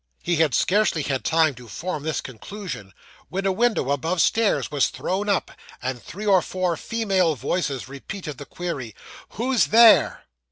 He had scarcely had time to form this conclusion, when a window above stairs was thrown up, and three or four female voices repeated the query 'Who's there?